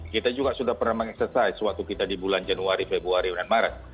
kita juga sudah pernah meng exersais waktu kita di bulan januari februari dan maret